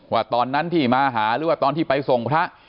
ว่าตอนนั้นที่มาหาหรือว่าตอนที่ไปส่งพระ